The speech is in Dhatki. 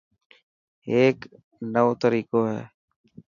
هيڪ نيوو تريقو هي.